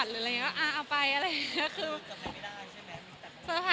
มีความสุขมากค่ะ